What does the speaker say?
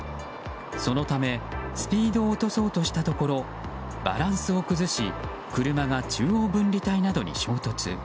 そのためスピードを落とそうとしたところバランスを崩し車が中央分離帯などに衝突。